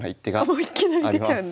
もういきなり出ちゃうんだ。